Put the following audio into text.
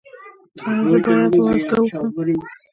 ایا زه باید وازګه وخورم؟